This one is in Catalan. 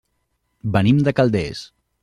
Venim de Calders.